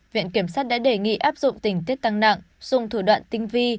viện kiểm sát đã đề nghị áp dụng tình tiết tăng nặng dùng thủ đoạn tinh vi